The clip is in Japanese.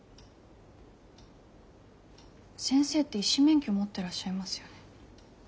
先生って医師免許持ってらっしゃいますよね？